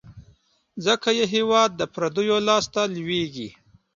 ځکه یې هیواد د پردیو لاس ته لوېږي.